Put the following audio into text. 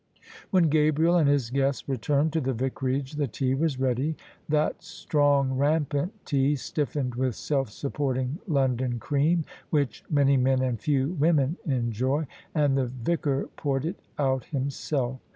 When Gabriel and his guests returned to die Vicarage the tea was ready — ^that strong, rampant tea, stiffened with self supporting London cream — ^which many men and few women enjoy. And the Vicar poured it out himself.